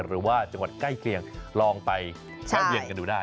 หรือว่าจังหวัดใกล้เคียงลองไปแวะเวียนกันดูได้